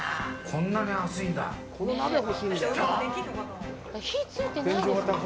こんなに熱いんだ。来た。